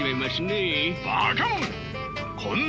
ばかもん！